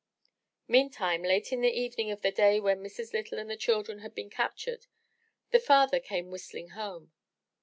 Meantime, late in the evening of the day when Mrs. Lytle and the children had been captured, the father came whistling home.